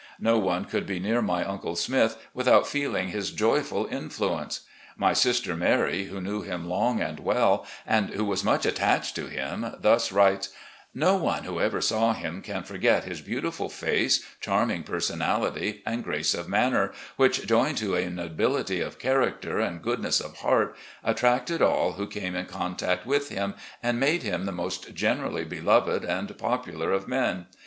No one could be near my Uncle Smith without feeling his joyful influence. My sister Mary, who knew him long and weU, and who was much attached to him, thus writes : "No one who ever saw him can forget his beautiful face, charming personality, and grace of manner which, joined to a nobility of character and goodness of heart, attracted all who came in contact with him, and made him the most generally beloved and popular of men.